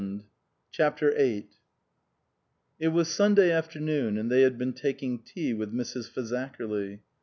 83 CHAPTER VIII IT was Sunday afternoon, and they had been taking tea with Mrs. Fazakerly.